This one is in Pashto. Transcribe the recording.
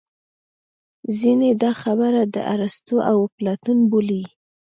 ځینې دا خبره د ارستو او اپلاتون بولي